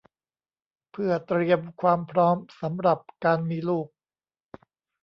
เพื่อเตรียมความพร้อมสำหรับการมีลูก